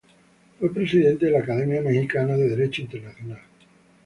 Fue presidente de la Academia Mexicana de Derecho Internacional.